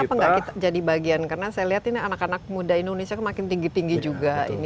kenapa nggak kita jadi bagian karena saya lihat ini anak anak muda indonesia makin tinggi tinggi juga ini